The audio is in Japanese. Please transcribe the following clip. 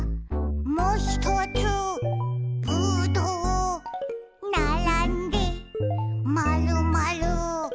「もひとつぶどう」「ならんでまるまる」